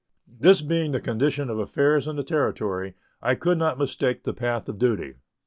This being the condition of affairs in the Territory, I could not mistake the path of duty.